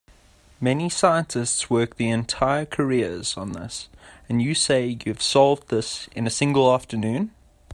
Many scientists work their entire careers on this, and you say you have solved this in a single afternoon?